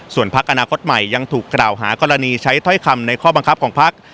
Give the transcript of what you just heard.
ส่วนพักอนาคตใหม่ยังถูกกล่าวหากรณีใช้ถ้อยคำในข้อบังคับของพัก